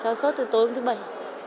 cháu sốt từ tối hôm thứ bảy